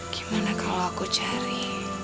gimana kalau aku cari